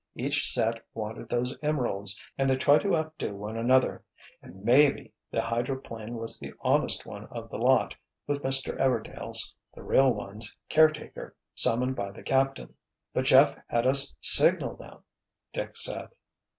"Each set wanted those emeralds, and they tried to outdo one another—and maybe the hydroplane was the honest one of the lot, with Mr. Everdail's—the real one's—caretaker, summoned by the captain." "But Jeff had us signal them," Dick said.